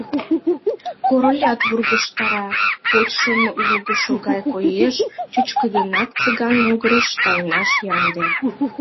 Королят вургыжтара, почшым лугышо гай коеш, чӱчкыдынак Цыган могырыш тайнаш ямде.